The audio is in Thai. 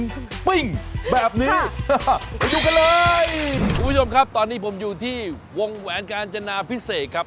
ปิ้งแบบนี้ไปดูกันเลยคุณผู้ชมครับตอนนี้ผมอยู่ที่วงแหวนกาญจนาพิเศษครับ